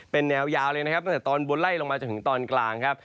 เป็นแนวยาวเลยนะครับตั้งแต่ตอนบนไล่ลงมาจนถึงตอนกลางครับ